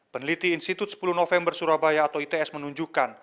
peneliti institut sepuluh november surabaya atau its menunjukkan